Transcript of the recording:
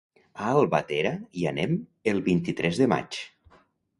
A Albatera hi anem el vint-i-tres de maig.